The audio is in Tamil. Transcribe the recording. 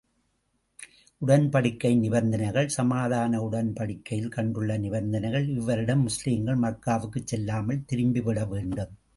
உடன்படிக்கையின் நிபந்தனைகள் சமாதான உடன்படிக்கையில் கண்டுள்ள நிபந்தனைகள் இவ்வருடம் முஸ்லிம்கள் மக்காவுக்குள் செல்லாமல் திரும்பி விட வேண்டும்.